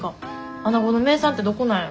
アナゴの名産ってどこなんやろ？